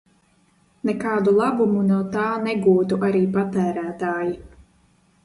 Nekādu labumu no tā negūtu arī patērētāji.